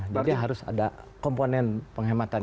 jadi harus ada komponen penghematan itu